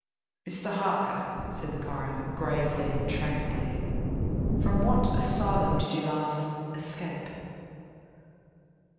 "Mr. Harker," said the coroner, gravely and tranquilly, "from what asylum did you last escape?"